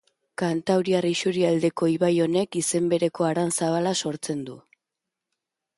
Kantauriar isurialdeko ibai honek izen bereko haran zabala sortzen du.